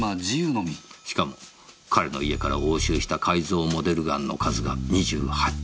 しかも彼の家から押収した改造モデルガンの数が２８丁。